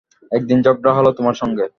একদিন ঝগড়া হল তোমার সঙ্গে।